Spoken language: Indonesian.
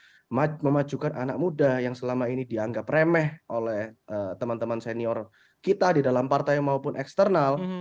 kita punya kekuatan untuk bisa memajukan anak muda yang selama ini dianggap remeh oleh teman teman senior kita di dalam partai maupun eksternal